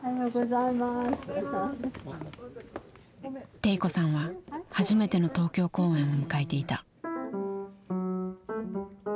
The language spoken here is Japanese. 悌子さんは初めての東京公演を迎えていた。